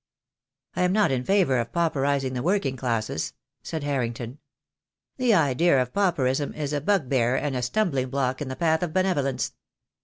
"I am not in favour of pauperising the working classes," said Harrington. "That idea of pauperism is a bugbear and a stum bling block in the path of benevolence.